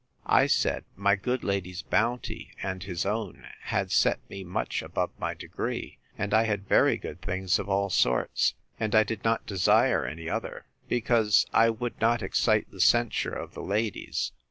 I said, My good lady's bounty, and his own, had set me much above my degree, and I had very good things of all sorts; and I did not desire any other, because I would not excite the censure of the ladies.